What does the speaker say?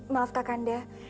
maaf kak kanda